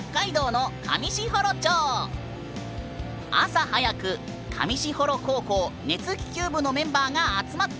朝早く上士幌高校熱気球部のメンバーが集まった。